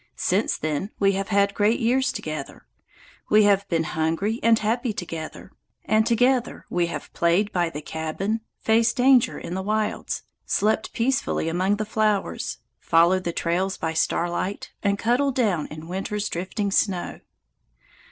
Since then we have had great years together. We have been hungry and happy together, and together we have played by the cabin, faced danger in the wilds, slept peacefully among the flowers, followed the trails by starlight, and cuddled down in winter's drifting snow.